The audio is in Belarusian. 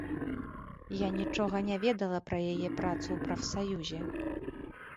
Я нічога не ведала пра яе працу ў прафсаюзе.